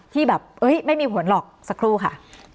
ที่แบบไม่มีผลหรอกสักครู่ค่ะ